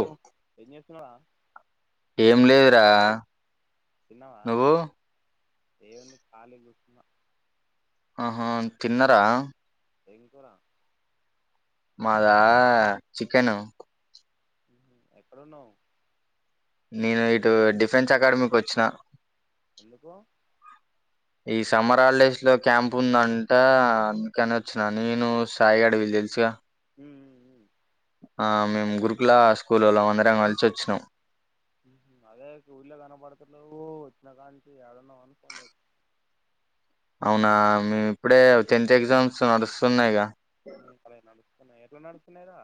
ఓ ఏం జెస్తున్నావా ఏం లేదరా తిన్నావా ఏం ఉంది ఖాళీ గా కుర్చున్న ఆహా తిన్నరా ఏం కూర మాదా చికెన్ ఎక్కడున్నవ్.. నేను ఇటు డిఫెన్స్ అకాడమీకి వచ్చిన ఎందుకు ఈ సమ్మర్ హాలిడేస్ లో క్యాంప్ ఉందంట అ అందుకని వచ్చిన నేను సాయి గాడ్ వీళ్ళు తెలుసుగా. ఉ ఉమ్ ఉమ్ ఆ మేము గురుకులా స్కూలోళ్లం అందరం కలిసివ చ్చినం ఉహూ అదే ఊళ్ళ గనబడుతలేవు వచ్చిన కాంనుచ్చి యాడున్నావని ఫోన్ చేత [inaudible] అవునా మేం ఇప్పుడే ఆ టెన్త్ ఎగ్జామ్స్ నడుస్తున్నాయిగా ఉమ్ అరె నడుస్తున్నాయ్ ఎట్లా నడుస్తున్నాయిరా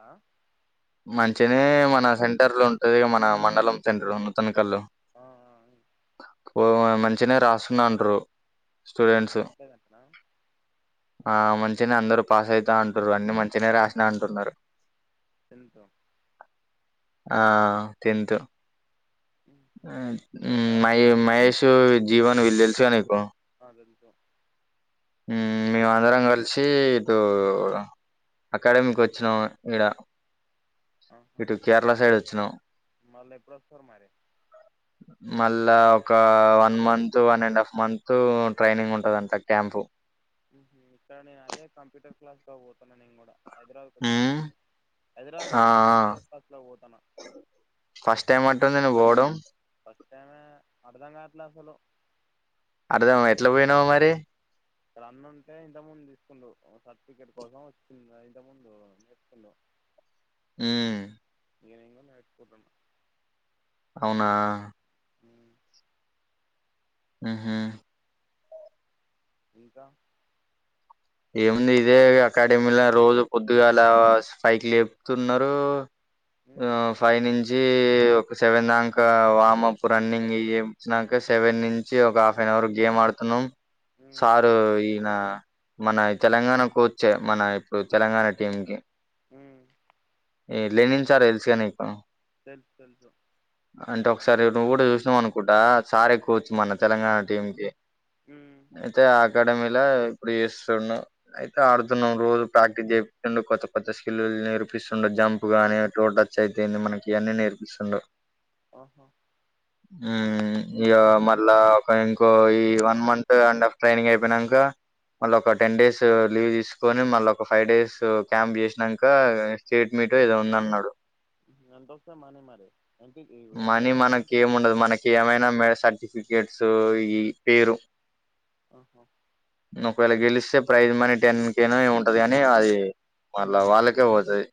మంచిగనే మన సెంటర్ లో ఉంటది మన మండలం సెంటర్ ఉన్న తను హలో ఆ, ఓ మంచిగనె రాస్తున్నాను బ్రో లేదంటన ఆ మంచిగనే అందరు పాస్ అయితా అంటుర్రు అన్ని మంచిగనే రాసినా అంటున్నారు ఎంత ఆ టెన్త్ ఊ ఉమ్ పెట్టాల్సిన మ ఇక్కడ కాదు. మహేషు జీవను వీళ్లు తెలుసుగద నీకు తే ఉమ్ మేము అందరం కలిసి ఇటు అకాడమికొచ్చినం ఈడ ఆహా ఇటు కేరళ సైడ్ వచ్చినం మళ్ళీ ఎప్పుడు వస్తారు మరి మల్ ల్ల ఒక ఆ one month one and half month ఉ ట్రైనింగ్ ఉంటదంట క్యాంపు ఉహూ ఇక్కడ నే అదే కంప్యూటర్ క్లాస్లకు పోతున్నా నేను గూడా హైదరాబాద్కు వచ్చిన ఉమ్ హైదరాబాద్కు ఆ వచ్చిన కంప్యూటర్ క్లాస్లకు పోతాన ఫస్ట్ టైమ్ అంటుంది నువ్వు పోవడం ఫస్ట్ టైమే అర్ధం కావట్లే అసలు అర్థం ఎట్ల పోయినవు మరి ఇక్కడ అన్న ఉంటే ఇంత ముందు తీసుకుండు ఉ సర్టిఫికెట్ కోసం వచ్చిండు ఇంత ముందు నేర్చుకుండు [inaudible] ఉమ్ ఏదయినా నేర్చుకుంటుండు అవునా ఉహూ ఇంకా ఏముంది ఇదే ఇగ అకాడమీల రోజు పొద్దుగలా ఆ స్ ఫైకి లేపుతున్నారు ఆ మ్మ్ ఫై నుంచి ఈ ఒక సెవెన్ దాంక వామప్ రన్నింగ్ ఇ ఎమ్ స్నంక సెవెన్ నుంచి ఒక హాఫ్ అన్ అవర్ గేమ్ ఆడ్ అతను మ్మ్ సారు ఈయనా మన తెలంగాణ కోచ్ ఏ మన ఇప్పుడు తెలంగాణ టీం కీ ఉమ్ ఏ లేనిన్ సార్ తెలుసుగా నీకు తెలుసు తెలుసు నువ్ గుడా చూసినావ్ అనుకుంటా సారే కోచ్ మన తెలంగాణ టీం కీ మ్మ్ అయితే ఆగ్ అకాడమిలా ఇప్పుడు ఏస్ తున్న అయితే ఆడుతున్నం రోజు ప్రాక్టీస్ చేపిస్తుండు కొత్త కొత్త స్కిల్ నేర్పిస్తుండు జంప్ గాన్ అనే టోన్ టచ్ అయితెంది మనకి అన్నీ నేర్పిస్తుండు ఆహా ఉమ్ ఇగ మళ్ళా ఒక ఇంకో ఈ one month and half training అయిపోయినంక మళ్ళీ ఒక టెన్ డేస్ లీవ్ తీసుకొని మళ్ళ ఒక ఫైవ్ డేస్ ఉ క్యాంప్ చేసినంక ఆ స్టేట్ మీట్ ఏదో ఉందన్ అన్నాడు ఎంత వస్తాయి మనీ మరి ఎంత ఇప్పుడు ఎంత మనీ ఎంత మనకి కట్టారు మా ఏముండదు మనకి ఏమైనా మె సర్టిఫికేట్స్ పేరు ఆహా ఒకవేళ గెలి స్తే ప్రైజ్ మనీ టెన్ కే ఏమో ఉంటది కాని అది మళ్ళ వాళ్ళకే పోతుది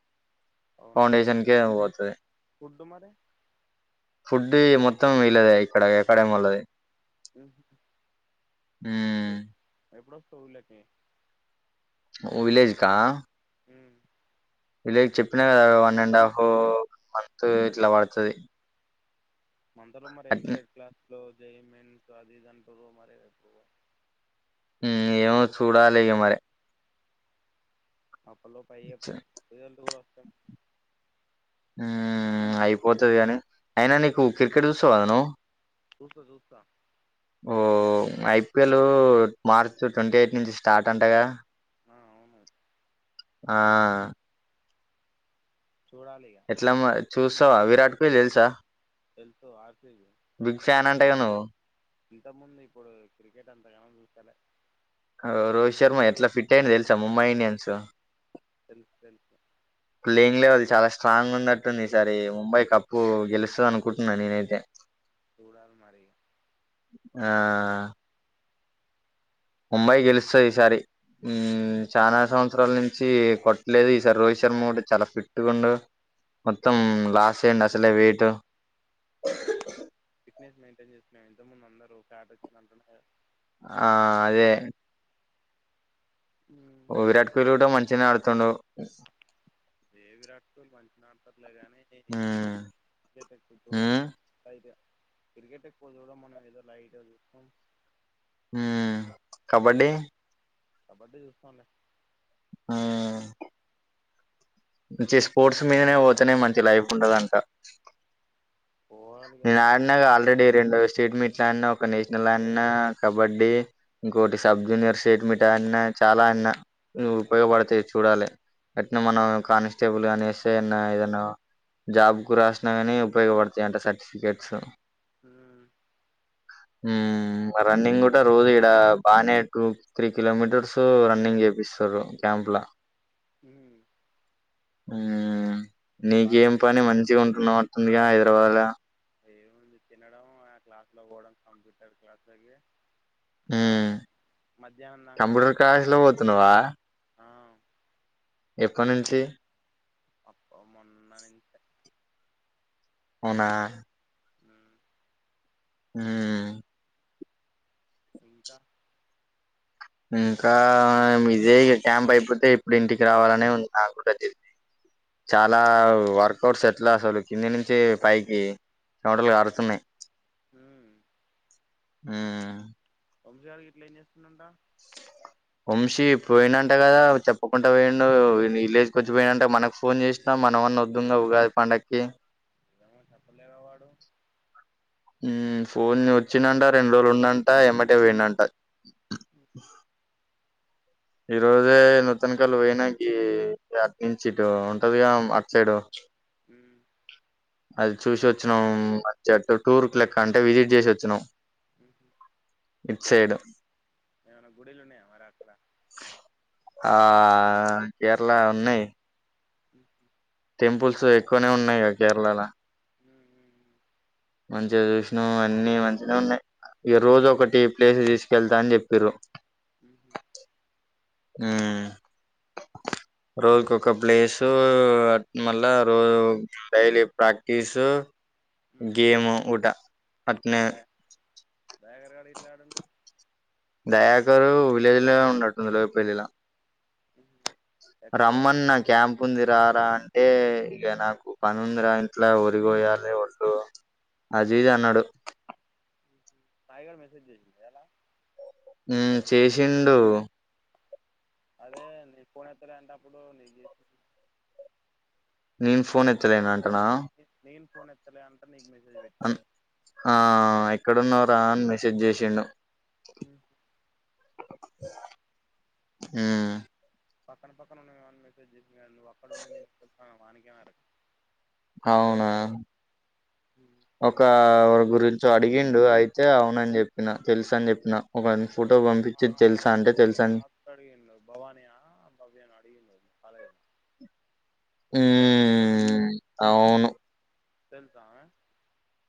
అవునా ఫౌండేషన్ కే ఆమెకొడ్తాది ఫుడ్ మరి ఫుడ్డు మొత్తం వీళ్లదే ఇక్కడ అకాడమీ వాళ్ళది ఉమ్ ఎప్పుడొస్తావు ఊళ్ళకి విలేజ్ కా హ్మ లే చెప్పినా కదా one and half one month ఇట్లా పడతది అంతలో మరి ఎంసెట్ క్లాసులో జాయిన్ మెంట్ సో అది ఇది అంటూరు ఎప్పుడు పో మ్మ్ ఏమో చూడాలి ఇగా మరే అప్పళ్లో పైయే పొంది రిజల్ట్స్ కూడా వస్తాయి. ఉ అయిపోతాది కాని అయినా నీకు క్రికెట్ చూస్తావా నువ్వు చూస్తా చూస్తా ఓ ఐపిఎల్ మార్చ ట్వంటీ ఎయిట్ నుంచి స్టార్ట్ అంటాగా ఆ అవును ఆ చూడాలిగా ఎట్లా మరి చూస్తావా విరాట్ కోహ్లీ తెలుసా తెలుసు ఆర్సిబి బిగ్ ఫ్యాన్ అంట గా నువ్వు ఇంతకుముందు ఇప్పుడు క్రికెట్ ఎంతకణం చేస్తాలే రోహిత్ శర్మ ఎట్లా ఫిట్ ఆయిండు తెలుసా ముంబై ఇండియన్స్ తెలుసు తెలుసు ప్లేయింగ్ లెవెల్ చాలా స్ట్రాంగ్ ఉన్నట్టుంది ఈ సారి ముంబై కప్పు గెలుస్తుంది అనుకుంటున్నాను నేనైతే చూడాలి మరి ఆ ముంబై గెలుస్తది ఈసారి చాలా సంవత్సరాల నుంచి కొట్టలేదు ఈసారి రోహిత్ శర్మ కూడా చాలా ఫిట్గా ఉండు మొత్తం ఉమ్. లాస్ అయిండు అసలే వేటు ఫిట్నెస్ మెయింటైన్ చేస్తునాడు ఇంతకముందు అందరు ఫ్యాట్ వచ్చింది అంటున్నారు ఆ అదే విరాట్ కోహ్లీ కూడా మంచిగానే ఆడుతుడు ఏ విరాట్ కోహ్లీ మంచిగానే ఆడతాడు సర్లే కానీ మన మ్మ్ రేపు ఎప్పుడు పోదాం మ్మ్ [unintelligible] క్రికెట్ ఎక్కువ చూడడం మనం ఏదో లైట్ గా చూస్తాం హ కబడ్డీ కబడ్డీ చూస్తాం లె మ్మ్ మంచి స్పోర్ట్స్ మీదనే పోతానే మంచి లైఫ్ ఉండదంట పోవాలి నేను గానీ ఆడిన ఆల్రెడీ రెండో స్టేట్ మీట్ ఆడిన ఒక నేషనల్ ఆడిన కబడ్డీ ఇంకోొటి సబ్ జూనియర్ స్టేట్ మీట్ ఆడిన చాలా ఆడిన ఉపయోగపడతాయి చూడాలి అట్నే మనం కానిస్టేబుల్ కానీ ఎస్ఐ అయినా ఏదేనా జాబ్ కు రాసిన కాని ఉపయోగపడతాయంట సర్టిఫికెట్స్ హ రన్నింగ్ కూడా రోజు ఇక్కడ బాగానే టూ త్రీ కిలోమీటర్స్ రన్నింగ్ చేపిస్తార్ రు క్యాంపుల హ మ్మ్ నీకేం పని మంచిగా ఉంటున్నావ్ అంటుంది గా హైదరాబాద్ లా ఏముంది తినడం ఆ క్లాస్లో పోవడం కంప్యూటర్ క్లాస్లోకి మ్మ్ దాంకనే హాఫ్ కంప్యూటర్ డేనే క్లాస్ లకి పోతున్నావా ఆ ఎప్పటి నుంచి అప్ప మొన్నటి నుంచే అవునా ఉమ్ ఇంకా ఇంకా ఇదే ఇగ క్యాంప్ అయిపోతే ఇప్పుడు ఇంటికి రావాలనే ఉంది నా కూడా జల్ది చాలా వర్కౌట్స్ ఎట్లా అసలు కింది నుంచి పైకి చెమటలు కారుతున్నాయి ఉమ్ ఉమ్ వంశీ గాడు గిట్ల ఏం చేస్తుండంటా వంశీ పోయిండంట కదా చెప్పకుండా పోయిండు విలేజ్ వచ్చి పోయిండంట మనకు ఫోన్ చేసినా మనం ఎవన్నా వద్దన్న ఉగాది పండగకి ఏం చెప్పలేడా వాడు ఉమ్ ఫోన్ వచ్చిందంట రెండు రోజులు ఉన్నాంట ఏమ్మటే పోయిన్నాట [inaudible] ఈ రోజే నూతన కలు పోయినాక అటు నుంచి ఇటు ఉంటదిగా అట్ సైడు ఉమ్ అది చూసి వచ్చినం ఆ మంచిగ టూర్ కి లెక్క అంటే విజిట్ చేసి వచ్చినం [inaudible] ఇట్సైడ్ ఏమైనా గుడిలు ఉన్నాయా మరి అక్కడ ఆ కేరళ ఉన్నాయి ఉహూ టెంపుల్స్ ఎక్కువనే ఉన్నాయి గా కేరళలో మంచిగా చూసినామ్ అన్ని మంచిగనే ఉన్నాయి ఇగ ఈ రోజు ఒకటి ప్లేస్ తీసుకెళ్తా అని చెప్పిర్రు ఉహూ ఉమ్ [inaudible] రోజుకోక ప్లేసు అట్ మళ్ళా రోజు డైలీ ప్రాక్టీసు గేమ్ ఊట అట్నే బేగరగాడ ఇట్ల ఏడుంటాం ఆడు విలేజ్ లోనే [unintelligible] పెళ్ళిలా ఉమ్ రమ్మన్న క్యాంప్ ఉంది రారా అంటే ఇక నాకు పనుందర ఇంట్లో వరిగోయాలి ఓడ్లు అది ఇది అన్నాడు సాయి గాడు మెసేజ్ చేసిండా ఇయ్యాల ఉమ్ చేసిండు అదే నీ ఫోన్ ఎత్త లే అంట అప్పుడు నీకు చేసి నేను ఫోన్ ఎత్తలేనా నేను ఫోన్ ఎత్తలే అంట నీకు మెస్ అ ఆ ఎక్కడున్నావు రా అని మెసేజ్ చేసిండు ఉమ్ ఉమ్ పక్కన పక్కన ఉండేవాడికి [unintelligible] నువ్వు అక్కడ ఉండి నేను ఇక్కడ అవునా ఒక గురిం చి అడిగిండు అయితే అవును అని చెప్పిన తెలుస అని చెప్పిన ఒక ఫోటో ఆ పంపించి తెలుసా ఆ అంటే తెలుసా అని నాకు అడిగిండు భవానీ ఆ భవ్య నా అడిగింది కాలేజీ ఉమ్ అవును తెలుసా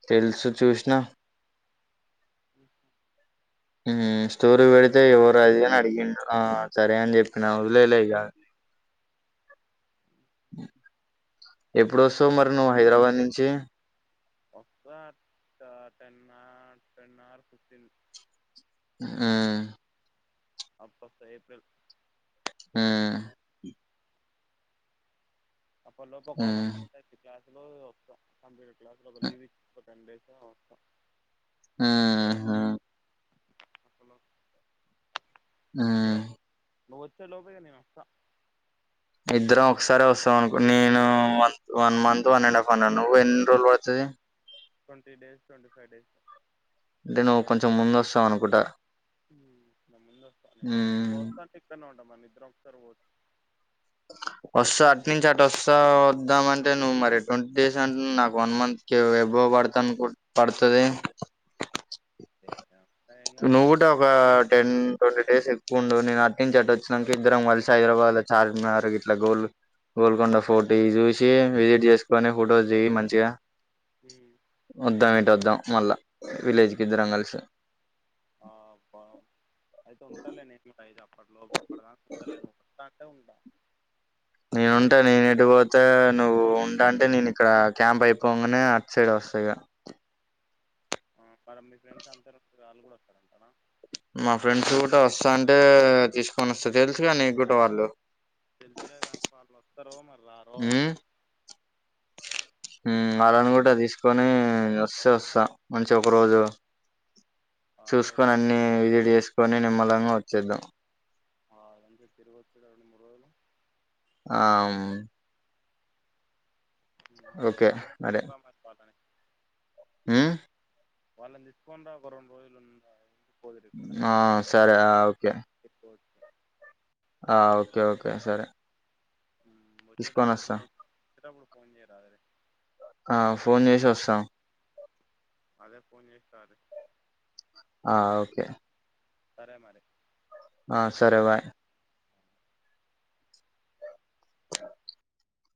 తెలుసు చూసిన. [unintelligible] హ్మ్ స్టోరీ పెడితే ఎవరు అది అని అడిగిండు. ఆ సరే అని చెప్పిన వదిలేలే ఇగ. [unintelligible] ఇం- ఎప్పుడుస్తవు మరి నువ్వు హైదరాబాద్ నుంచి. వస్తా అట్ల ten or ten or fifty న్. హ్మ్ అప్పుడు వత ఏప్రిల్. ఉమ్ అప్ప లోపు ఒక వన్ ఉమ్ మంత్ అయి. క్లాసు లో కంప్యూటర్ క్లాస్ లో ఒక లీవ్ ఇచ్చ. [unintelligible] హ్మ్ హూ [unintelligible] హ్మ్ నువ్వు వచ్చే లోపగా నేను వస్తా. ఇద్దరం ఒకసారి వస్తాం. అను నేను one month one and half అ నువ్వు ఎన్ని రోజులు పడుతుంది. [unintelligible] Twenty days twenty five days. అంటే నువ్వు కొంచెం ముందు వస్తావు అనుకుంటా. హ్మ్ నేను ముందు వస్తా. నేను మ్మ్ నువ్వొస్తా అంటే ఇక్కడనే ఉంటా. మనం ఇద్దరం ఒకసారి పోచ్చ. [unintelligible] వస్తా అటు నుంచి అటు వస్తా. వద్దామ అంటే నువ్వు మరి ట్వంటీ డేస్ అంటే నాకు వన్ మంత్ కే ఎబో. ఎక్కువ పడుతది అనుకుంటే పడతదేమో. [unintelligible] కాదులే నువ్వు కూడా చూద్దాం ఒక టెన్ ట్వంటీ డేస్ ఎక్క. ప్పుండు నేను అట్నుంచి అటు వచ్చినాక. ఇద్దరం కలిసి హైదరాబాద్ లో చార్మినార్ ఇట్లా గోల్. గోల్కొండ ఫోర్ట్ ఇ చూసి విజిట్ చేసుకొని ఫొటోస్ తీ మంచిగా. ఉమ్. వద్దాం ఇంటు వద్దాం మళ్ళా విలేజ్ కి ఇద్దరం కలిసి ఆ బా, అయితే ఉంటాలే నేను కూడా హైజాబ్. అప్పటి లోపు అప్పటిదాకా ఉంటాలే. నువ్వు వస్తా అంటే ఉంటా. [unintelligible] ఉంటా నేను ఎడి పోతే నువ్వు ఉంటా. అంటే నేను ఇక్కడ క్యాంప్ అయిపోగానే అట్ సైడ్ వస్తాఇగ. [unintelligible] ఆ, మరి మీ ఫ్రెండ్స్ అంతరు వాళ్ళు కూడా వస్తారంట నా. మా ఫ్రెండ్స్ కూడా వస్తా. అంటే తీసుకొని వస్తా తెలుసుగా నీకు కూడా వాళ్ళు. వో త్తరో మరి రా. హ్మ్ [unintelligible] హ్మ్ వాళ్లని కూడా తీసుకొని వస్తే వస్తాం మంచి ఒక రోజు. చూసుకొని అన్ని విజిట్ చేసుకొని నిమ్మలంగా వచ్చేద్దాం. ఆ ఎంజాయ్ గా తిరిగి వచ్చు కదా రెండు మూడు రోజులు. ఆ అవును. ఓకే మరే. రా మరి వాళ్ళని హ్మ్ వాళ్ళని తీసుకుని ఒక రెండు రోజులు వుందా. ఆ సరే ఓకే. ఆ ఓకే ఓకే సరే. హ్మ్ తీసుకొని వచ్చేటప్పుడు వస్తా వచ్చేటప్పుడు ఫోన్ చేయరాదురి. ఆ ఫోన్ చేసి వస్తాం. అదే ఫోన్ చేసి రారి. ఆ ఓకే సరే మరీ ఆ సరే బాయ్ ఆ